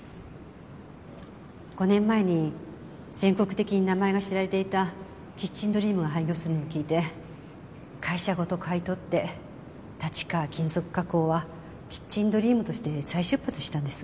５年前に全国的に名前が知られていたキッチンドリームが廃業するのを聞いて会社ごと買い取って立川金属加工はキッチンドリームとして再出発したんです。